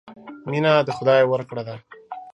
مینه د خدای ورکړه ده.